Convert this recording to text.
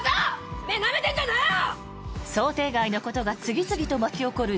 てめえ、なめてんじゃないわよ！